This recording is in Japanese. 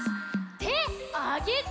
てあげて！